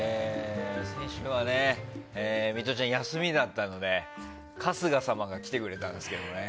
先週はミトちゃん休みだったので春日様が来てくれたんですけどね。